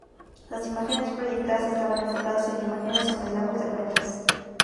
Las imágenes proyectadas estaban enfocadas en imágenes sobre el agua y tormentas.